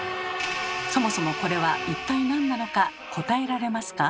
そもそもこれは一体なんなのか答えられますか？